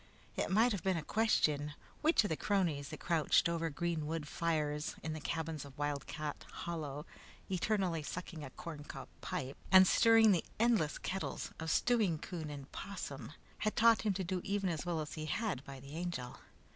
It might have been a question which of the cronies that crouched over green wood fires in the cabins of Wildcat Hollow, eternally sucking a corncob pipe and stirring the endless kettles of stewing coon and opossum, had taught him to do even as well as he had by the Angel.